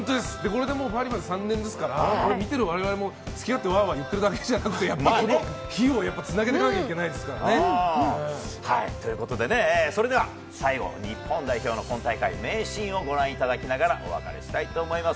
パリまで３年ですから、見ている我々もワワ言ってるだけじゃなくて、この日をつなげていかなきゃいけないわけですから。というわけで、それでは最後は日本代表の今大会、名シーンをご覧いただきながらお別れしたいと思います。